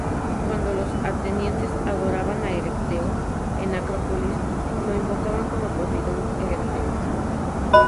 Cuando los atenienses adoraban a Erecteo en la Acrópolis, le invocaban como "Poseidón Erecteo".